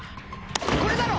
これだろ！